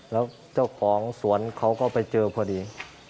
แล้วเจ้าของสวนเขาก็ไปเจอพอดี